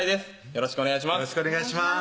よろしくお願いします